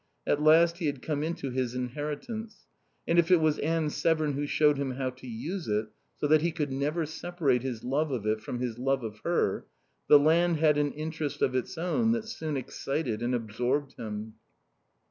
At last he had come into his inheritance; and if it was Anne Severn who showed him how to use it, so that he could never separate his love of it from his love of her, the land had an interest of its own that soon excited and absorbed him.